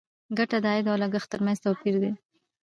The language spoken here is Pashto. ګټه د عاید او لګښت تر منځ توپیر دی.